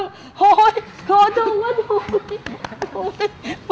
trời ơi thương quá thương quá